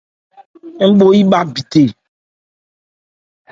Ń mo yí bha bithe.